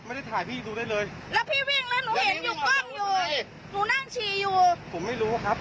เอาหลังไอ